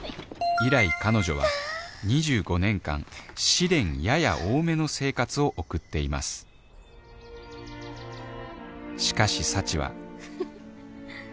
以来彼女は２５年間試練やや多めの生活を送っていますしかし幸はフフフフッ。